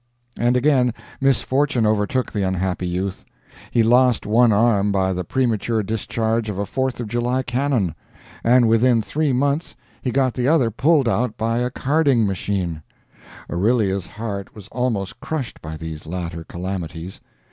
And again misfortune overtook the unhappy youth. He lost one arm by the premature discharge of a Fourth of July cannon, and within three months he got the other pulled out by a carding machine. Aurelia's heart was almost crushed by these latter calamities.